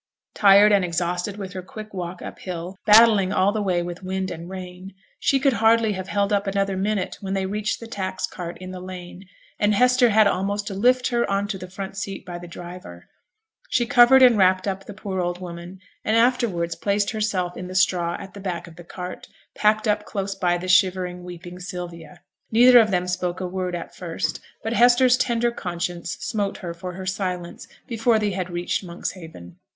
Tired and exhausted with her quick walk up hill, battling all the way with wind and rain, she could hardly have held up another minute when they reached the tax cart in the lane, and Hester had almost to lift her on to the front seat by the driver. She covered and wrapped up the poor old woman, and afterwards placed herself in the straw at the back of the cart, packed up close by the shivering, weeping Sylvia. Neither of them spoke a word at first; but Hester's tender conscience smote her for her silence before they had reached Monkshaven.